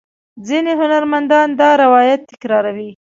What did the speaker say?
ځینې هنرمندان دا روایت تکراروي.